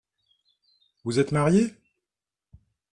Vous êtes marié ?